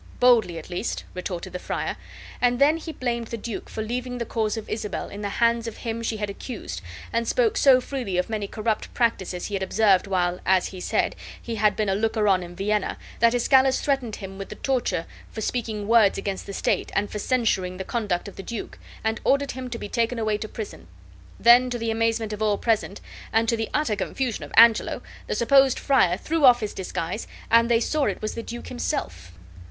"Boldly, at least," retorted the friar; and then he blamed the duke for leaving the cause of Isabel in the hands of him she had accused, and spoke so freely of many corrupt practices he had observed while, as he said, he had been a looker on in Vienna, that, Escalus threatened, him with the torture for speaking words against the state and for censuring the conduct of the duke, and ordered him to be taken away to prison. Then, to the amazement of all present, and to the utter confusion of Angelo, the supposed friar threw off his disguise, and they saw it was the duke himself.